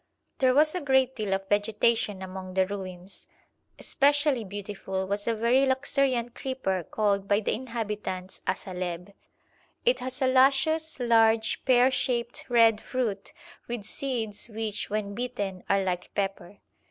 There was a great deal of vegetation among the ruins. Specially beautiful was a very luxuriant creeper called by the inhabitants asaleb. It has a luscious, large, pear shaped red fruit with seeds which, when bitten, are like pepper.